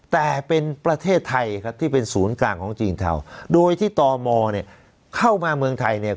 แต่เป็นประเทศไทยครับที่เป็นศูนย์กลางของจีนเทาโดยที่ตมเนี่ยเข้ามาเมืองไทยเนี่ย